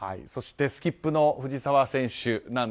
そしてスキップの藤澤選手